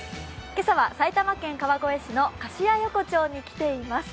今朝は埼玉県川越市の菓子屋横丁に来ています。